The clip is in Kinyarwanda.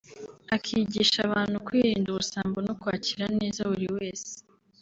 akigisha abantu kwirinda ubusambo no kwakira neza buri wese